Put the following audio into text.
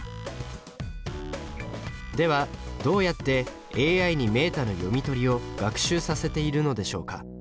ではどうやってＡＩにメータの読み取りを学習させているのでしょうか。